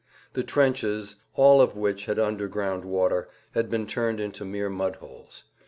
The trenches, all of which had underground water, had been turned into mere mud holes.